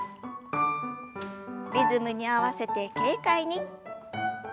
リズムに合わせて軽快に。